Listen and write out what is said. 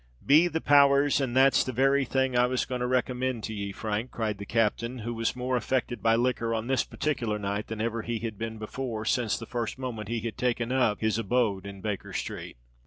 "Be the power rs! and that's the very thing I was going to recommend to ye, Frank!" cried the captain, who was more affected by liquor on this particular night than ever he had been before since the first moment he had taken up his abode in Baker Street.